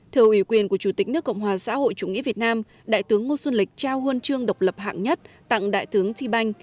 thưa ủy quyền của chủ tịch nước cộng hòa xã hội chủ nghĩa việt nam đại tướng ngô xuân lịch trao huân chương độc lập hạng nhất tặng đại tướng thi banh